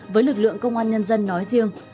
với lực lượng công an nhân dân nói riêng